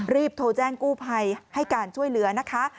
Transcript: รีบโทรแจ้งกู้ภัยให้การช่วยเหลือนะคะ